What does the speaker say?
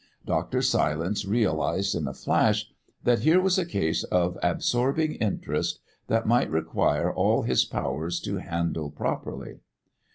Dr. Silence realised in a flash that here was a case of absorbing interest that might require all his powers to handle properly.